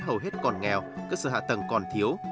hầu hết còn nghèo cơ sở hạ tầng còn thiếu